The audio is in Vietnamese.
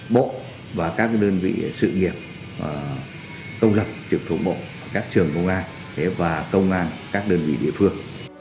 bộ và các đơn vị sự nghiệp công lập trực thuộc bộ các trường công an và công an các đơn vị địa phương